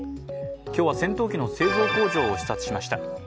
今日は、戦闘機の製造工場を視察しました。